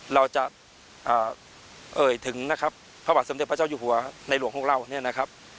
เราจะเอ่ยถึงนะครับพระบาทสมเด็จพระเจ้าอยู่หัวในหลวงของเราเนี่ยนะครับ